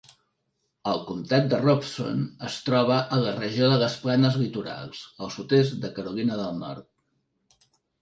El comptat de Robeson es troba a la regió de les Planes Litorals al sud-est de Carolina del Nord.